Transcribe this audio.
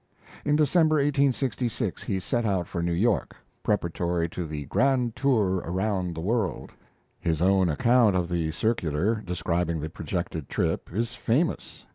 In December, 1866, he set out for New York, preparatory to the grand tour around the world. His own account of the circular describing the projected trip is famous.